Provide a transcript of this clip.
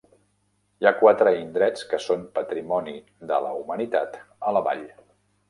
Hi ha quatre indrets que són Patrimoni de la Humanitat a la vall.